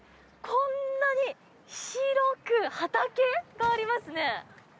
こんなに広く畑がありますね。